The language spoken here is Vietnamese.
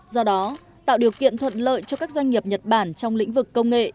do đó tạo điều kiện thuận lợi cho các doanh nghiệp nhật bản trong lĩnh vực công nghệ